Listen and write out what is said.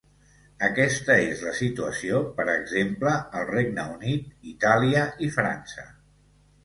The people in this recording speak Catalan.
Aquesta és la situació, per exemple, al Regne Unit, Itàlia i França.